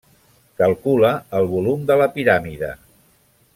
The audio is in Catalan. Calcula el volum de la piràmide.